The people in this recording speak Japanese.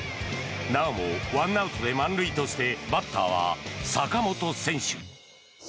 なおも１アウトで満塁としてバッターは坂本選手。